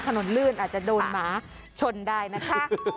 ลื่นอาจจะโดนหมาชนได้นะคะ